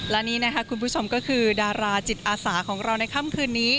และนี่นะคะคุณผู้ชมก็คือดาราจิตอาสาของเราในค่ำคืนนี้